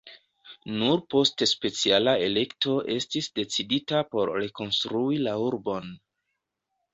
Nur post speciala elekto estis decidita por rekonstrui la urbon.